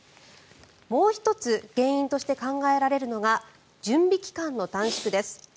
もう１つ原因として考えられるのが準備期間の短縮です。